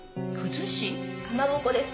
かまぼこです